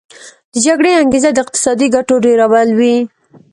د جګړې انګیزه د اقتصادي ګټو ډیرول وي